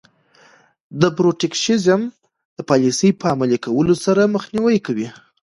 د protectionism د پالیسۍ په عملي کولو سره مخنیوی کوي.